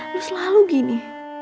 lu selalu gini